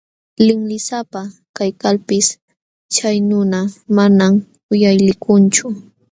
Linlisapa kaykalpis chay nuna manam uyalikunchu.